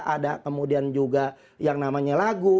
ada kemudian juga yang namanya lagu